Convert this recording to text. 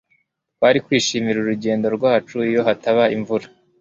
twari kwishimira urugendo rwacu iyo hataba imvura